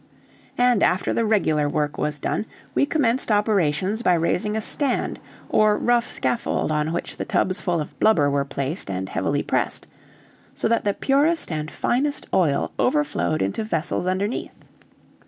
And after the regular work was done, we commenced operations by raising a stand or rough scaffold on which the tubs full of blubber were placed and heavily pressed, so that the purest and finest oil overflowed into vessels underneath.